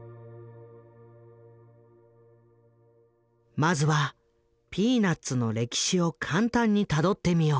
まずは「ピーナッツ」の歴史を簡単にたどってみよう。